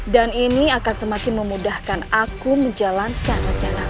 dan ini akan semakin memudahkan aku menjalankan rancangan